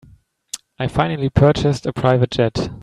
I finally purchased a private jet.